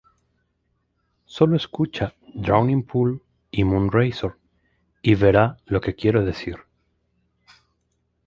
Sólo escucha "Drowning Pool" y "Moon Razor" y verá lo que quiero decir.